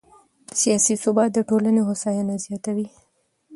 سیاسي ثبات د ټولنې هوساینه زیاتوي